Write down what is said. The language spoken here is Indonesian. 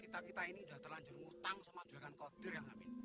kita kita ini sudah terlanjur ngutang sama juragan kodir ya amin